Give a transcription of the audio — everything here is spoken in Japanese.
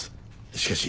しかし。